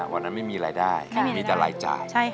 วันนั้นไม่มีรายได้ยังมีแต่รายจ่าย